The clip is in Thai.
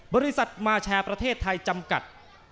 บริษัทมาแชร์ประเทศไทยจำกัด